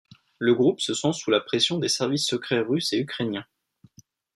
Le groupe se sent sous la pression des services secrets russes et ukrainiens.